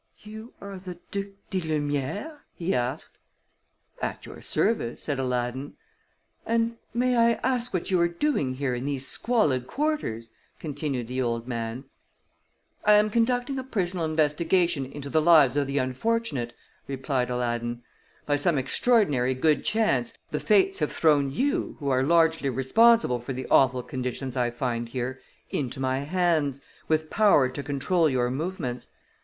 "You are the Duc di Lumière?" he asked. "At your service," said Aladdin. "And may I ask what you are doing here in these squalid quarters?" continued the old man. "I am conducting a personal investigation into the lives of the unfortunate," replied Aladdin. "By some extraordinary good chance the Fates have thrown you, who are largely responsible for the awful conditions I find here, into my hands, with power to control your movements.